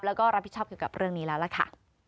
แล้วก็รับผิดชอบเกี่ยวกับเรื่องนี้แล้วล่ะค่ะ